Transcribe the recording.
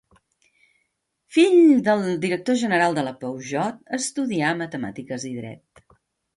Fill del director general de la Peugeot estudià matemàtiques i dret.